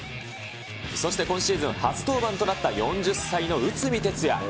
そして今シーズン初登板となった４０歳の内海哲也。